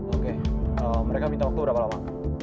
oke mereka minta waktu berapa lama